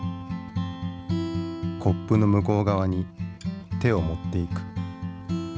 コップの向こう側に手を持っていく。